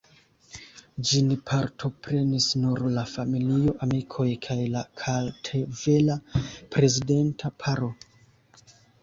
Ĝin partoprenis nur la familio, amikoj kaj la kartvela prezidenta paro.